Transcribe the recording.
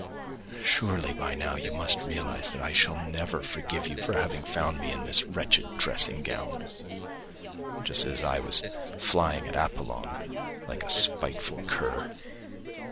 Surely by now you must realise that I shall never forgive you for having found me in this wretched dressing gown, just as I was flying at Apollon like a spiteful cur.